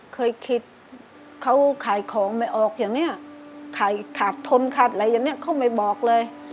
เคยคิดเขาขายของไม่ออกอย่างนี้ขาดทนขาดอะไรอย่างนี้เขาไม่บอกเลย